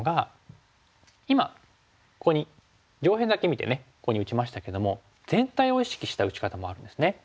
今ここに上辺だけ見てここに打ちましたけども全体を意識した打ち方もあるんですね。